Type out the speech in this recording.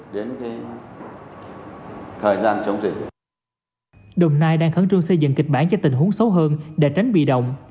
đồng nai đang khẩn trương xây dựng kịch bản cho tình huống xấu hơn để tránh bị động